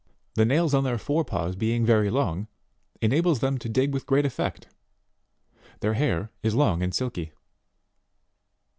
The nails on their fore paws being very long, enables them to dig with great effect. Their hair is long and silky.